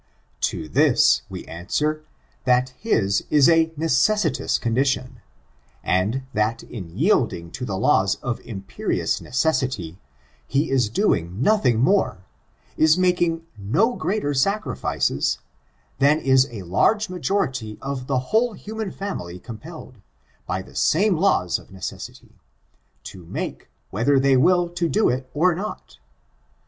To this we answer, that his is a necessitous condition, and that in yielding to the laws of impe rious necessity, he is doing nothing more, is making no greater sacrifices, than is a large majority of the whole human family compelled, by the same laws of necessity, to make, whether they will to do it or not.